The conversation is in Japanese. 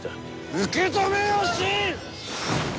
受け止めよ、信。